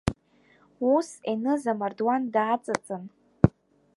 Ус, Еныз амардуан дааҵыҵын…